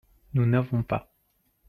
Nous n'avons pas.